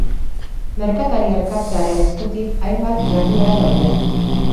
Merkatari elkartearen eskutik hainbat jarduera daude.